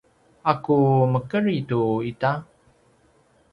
’aku mekedri tu ita?